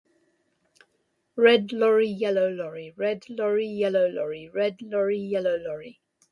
Red lorry, yellow lorry; red lorry, yellow lorry; red lorry, yellow lorry.